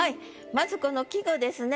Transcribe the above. まずこの季語ですね。